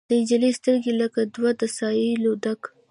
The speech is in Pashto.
د نجلۍ سترګې لکه دوه د سايو ډک